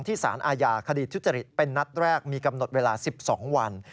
สารอาญาคดีทุจริตเป็นนัดแรกมีกำหนดเวลา๑๒วัน